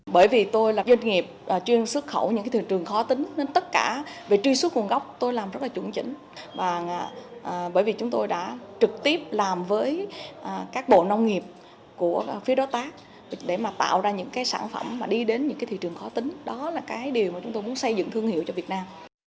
bởi vì tôi là doanh nghiệp chuyên xuất khẩu những thị trường khó tính nên tất cả về truy xuất nguồn gốc tôi làm rất là chủng chỉnh bởi vì chúng tôi đã trực tiếp làm với các bộ nông nghiệp của phía đối tác để mà tạo ra những cái sản phẩm mà đi đến những cái thị trường khó tính đó là cái điều mà chúng tôi muốn xây dựng thương hiệu cho việt nam